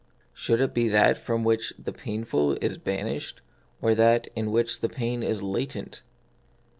Should it be that from which the 7 painful is banished, or that in which pain is latent